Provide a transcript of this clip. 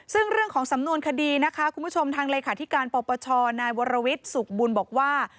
ซึ่งเรื่องของสำนวนคดีนะคะคุณผู้ชมทางเลขาธิการปปชนายวรวิทย์สุขบุญบอกว่า